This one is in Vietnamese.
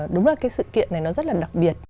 đúng là cái sự kiện này nó rất là đặc biệt